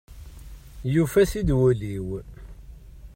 Yufa-t-id wul-iw.